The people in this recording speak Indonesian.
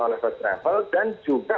oleh first travel dan juga